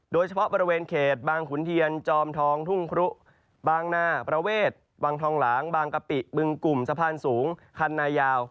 โดยเฉพาะบริเวณเขตบางขุนเทียนจอมทองทุ่งครุบางนาประเวทวังทองหลางบางกะปิบึงกลุ่มสะพานสูงคันนายาว